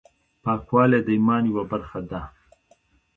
پاکوالی د ایمان یوه برخه ده.